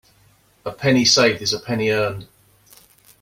A penny saved is a penny earned.